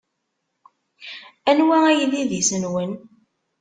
Anwa ay d idis-nwen?